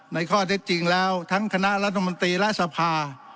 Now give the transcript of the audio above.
ในข้อเท็จจริงแล้วทั้งคณะรัฐมนตรีและสภา